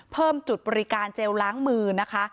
เพิ่มจุดบริการเจลล้างมือนะคะ